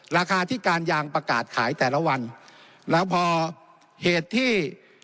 ราคาที่การยางประกาศขายแต่ละวันแล้วพอเหตุที่